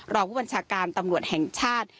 รองผู้บัญชาการตำรวจแห่งชาติ